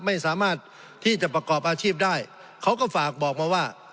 ไม่สามารถที่จะประกอบอาชีพได้เขาก็ฝากบอกมาว่า